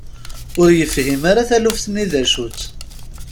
Ur yefhim ara taluft-nni d acu-tt.